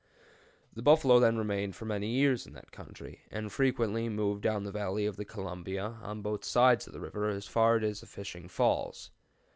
] The buffalo then remained for many years in that country, and frequently moved down the valley of the Columbia, on both sides of the river, as far as the Fishing Falls.